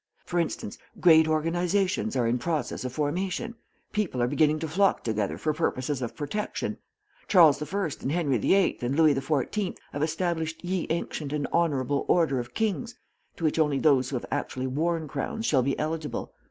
For instance, great organizations are in process of formation people are beginning to flock together for purposes of protection. Charles the First and Henry the Eighth and Louis the Fourteenth have established Ye Ancient and Honorable Order of Kings, to which only those who have actually worn crowns shall be eligible.